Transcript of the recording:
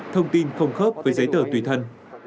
thông tin không khớp với giấy tờ tùy thân